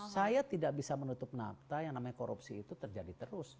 saya tidak bisa menutup nafta yang namanya korupsi itu terjadi terus